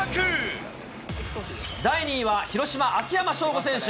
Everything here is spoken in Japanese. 第２位は広島、秋山翔吾選手。